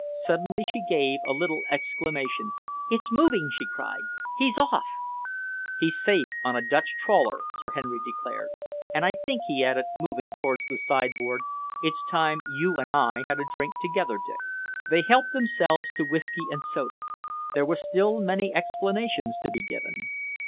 Suddenly she gave a little exclamation. "It's moving!" she cried. "He's off!" "He's safe on a Dutch trawler," Sir Henry declared. "And I think," he added, moving towards the sideboard, "it's time you and I had a drink together, Dick." They helped themselves to whisky and soda. There were still many explanations to be given.